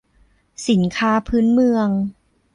สินค้าพื้นเมือง